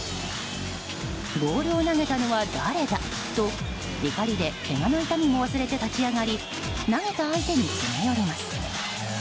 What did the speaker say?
ボールを投げたのは誰だ！と怒りでけがの痛みも忘れて立ち上がり投げた相手に詰め寄ります。